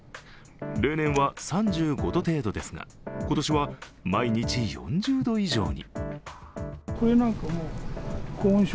例年は３５度程度ですが、今年は毎日４０度以上に。